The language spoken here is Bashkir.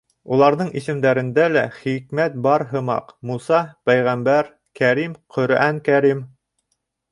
Уларҙың исемдәрендә лә хикмәт бар һымаҡ: Муса — пәйғәмбәр, Кәрим — Ҡөрьән Кәрим...